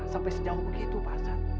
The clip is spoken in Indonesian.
sampai sejauh begitu pak hasan